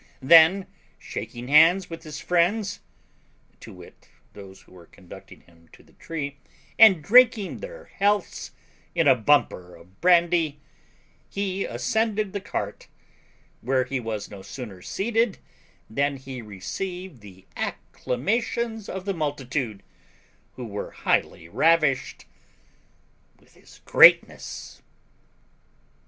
Then shaking hands with his friends (to wit, those who were conducting him to the tree), and drinking their healths in a bumper of brandy, he ascended the cart, where he was no sooner seated than he received the acclamations of the multitude, who were highly ravished with his GREATNESS.